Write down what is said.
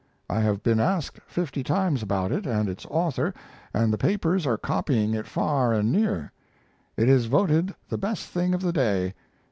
I have been asked fifty times about it and its author, and the papers are copying it far and near. It is voted the best thing of the day.